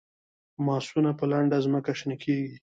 ماسونه په لنده ځمکه شنه کیږي